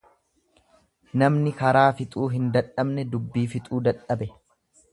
Namni karaa fixuu hin dadhabne dubbii fixuu dadhabe.